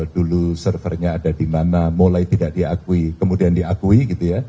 dulu servernya ada di mana mulai tidak diakui kemudian diakui gitu ya